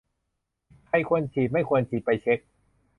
ใครควรฉีดไม่ควรฉีด ไปเช็ก